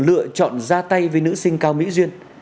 lựa chọn ra tay với nữ sinh cao mỹ duyên